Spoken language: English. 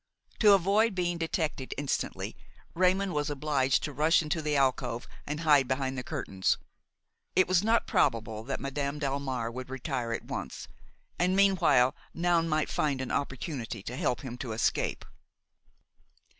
To avoid being detected instantly, Raymon was obliged to rush into the alcove and hide behind the curtains. It was not probable that Madame Delmare would retire at once, and meanwhile Noun might find an opportunity to help him to escape.